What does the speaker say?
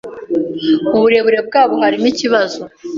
mu burere bwabo harimo ikibazo